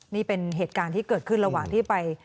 นี่เป็นเหตุการณ์ที่เกิดขึ้นระหว่างที่ไป